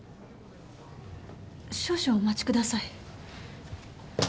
少々お待ちください。